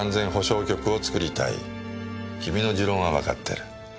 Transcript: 君の持論はわかってる。